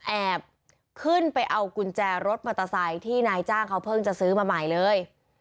แอบขึ้นไปเอากุญแจรถมอเตอร์ไซค์ที่นายจ้างเขาเพิ่งจะซื้อมาใหม่เลย